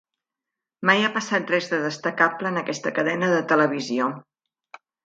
Mai ha passat res de destacable en aquesta cadena de televisió.